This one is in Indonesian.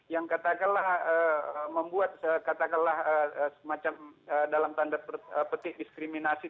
yang katakanlah membuat katakanlah semacam dalam tanda petik diskriminasi